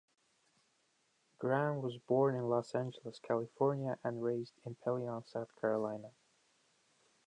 Graham was born in Los Angeles, California, and raised in Pelion, South Carolina.